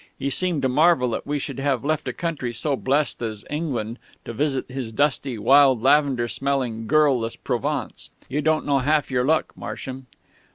He seemed to marvel that we should have left a country so blessed as England to visit his dusty, wild lavender smelling, girl less Provence.... You don't know half your luck, Marsham....